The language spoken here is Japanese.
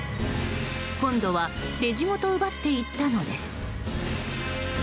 今度はレジごと奪っていったのです。